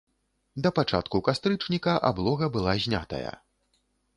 Да пачатку кастрычніка аблога была знятая.